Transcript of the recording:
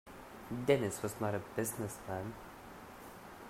Dennis was not a business man.